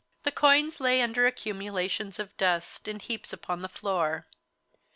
The coins lay under accumulations of dust, in heaps upon the floor.